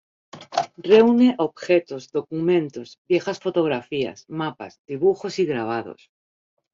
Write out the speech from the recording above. Reúne objetos, documentos, viejas fotografías, mapas, dibujos y grabados.